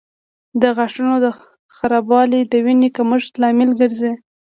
د غاښونو خرابوالی د وینې کمښت لامل ګرځي.